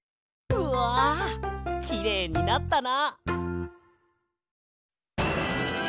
うわきれいになったな！